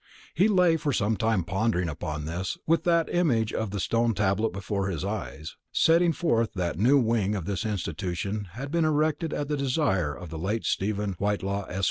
He lay for some time pondering upon this, with that image of the stone tablet before his eyes, setting forth that the new wing of this institution had been erected at the desire of the late Stephen Whitelaw, Esq.